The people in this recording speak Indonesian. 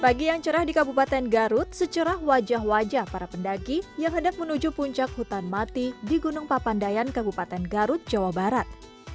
pagi yang cerah di kabupaten garut secerah wajah wajah para pendaki yang hendak menuju puncak hutan mati di gunung papandayan kabupaten garut jawa barat